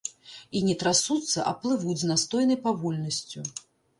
І не трасуцца, а плывуць з настойнай павольнасцю.